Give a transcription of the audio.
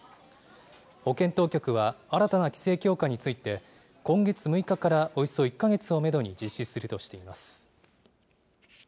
保健当局は、新たな規制強化について、今月６日からおよそ１か月をメドに実施するとしています。